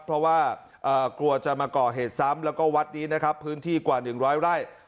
เพราะว่ากลัวจะมาก่อเหตุซ้ำแล้วก็วัดนี้นะครับพื้นที่กว่า๑๐๐ไร่